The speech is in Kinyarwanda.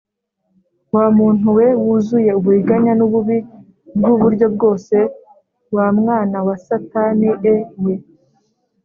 Wa muntu we wuzuye uburiganya n ububi bw uburyo bwose wa mwana wa satanie we